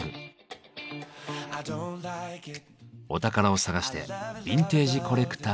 お宝を探してビンテージコレクターのお宅へ。